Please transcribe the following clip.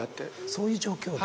そういう状況で。